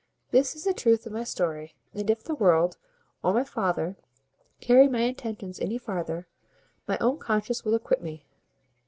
This is the truth of my story; and if the world, or my father, carry my intentions any farther, my own conscience will acquit me."